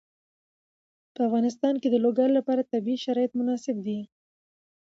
په افغانستان کې د لوگر لپاره طبیعي شرایط مناسب دي.